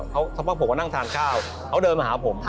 เขาพบว่านั่งทานข้าวเขาเดินมาหาผม